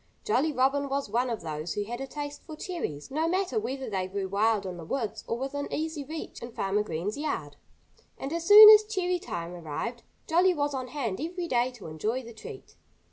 Jolly Robin was one of those who had a taste for cherries, no matter whether they grew wild in the woods or within easy reach in Farmer Green's yard. And as soon as cherry time arrived Jolly was on hand every day to enjoy the treat.